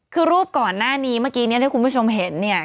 คือรูปก่อนหน้านี้เมื่อกี้เนี่ยที่คุณผู้ชมเห็นเนี่ย